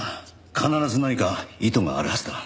必ず何か意図があるはずだ。